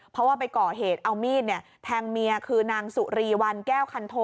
เพราะว่าไปก่อเหตุเอามีดแทงเมียคือนางสุรีวันแก้วคันโท